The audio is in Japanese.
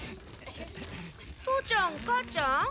父ちゃん母ちゃん？